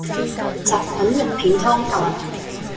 什菌肉片湯飯